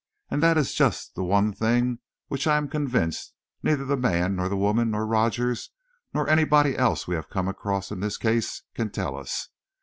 And that is just the one thing which, I am convinced, neither the man nor the woman nor Rogers nor anybody else we have come across in this case can tell us.